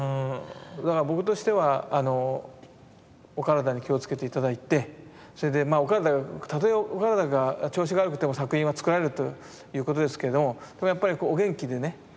だから僕としてはお体に気を付けて頂いてそれでまあたとえお体が調子が悪くても作品は作られるということですけれどもでもやっぱりお元気でね